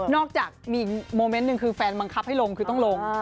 อกจากมีโมเมนต์หนึ่งคือแฟนบังคับให้ลงคือต้องลง